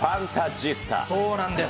そうなんです。